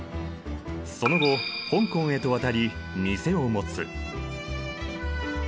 その後香港へと渡り店を持つ。